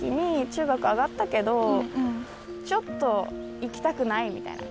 中学上がったけどちょっと行きたくない！みたいな。